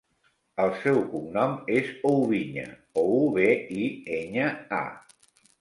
El seu cognom és Oubiña: o, u, be, i, enya, a.